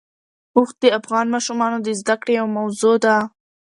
اوښ د افغان ماشومانو د زده کړې یوه موضوع ده.